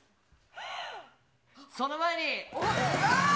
その前に。